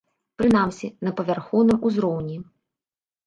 Прынамсі, на павярхоўным узроўні.